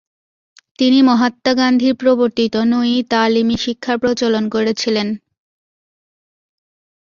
তিনি মহাত্মা গান্ধীর প্রবর্তিত নয়ী তালীমী শিক্ষার প্রচলন করেছিলেন।